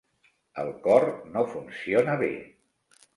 El cor no funciona bé.